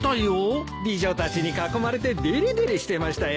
美女たちに囲まれてデレデレしてましたよ。